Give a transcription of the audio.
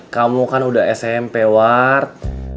kamu kan udah smp ward